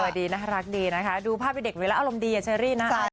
เออดีน่ารักดีนะค่ะดูภาพให้เด็กมีแล้วอารมณ์ดีอย่างเชอรี่นะ